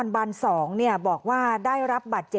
เผื่อ